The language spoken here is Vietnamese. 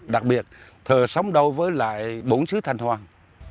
đặc biệt thờ sống đâu với lại bốn sứ thanh hoàng